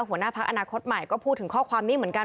หัวหน้าพักอนาคตใหม่ก็พูดถึงข้อความนี้เหมือนกัน